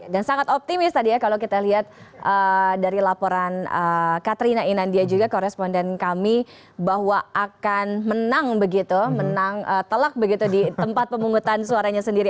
dan sangat optimis tadi ya kalau kita lihat dari laporan katrina inandia juga koresponden kami bahwa akan menang begitu menang telak begitu di tempat pemungutan suaranya sendiri